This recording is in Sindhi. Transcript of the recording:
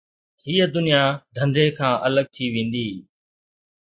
هيءَ دنيا ڌنڌي کان الڳ ٿي ويندي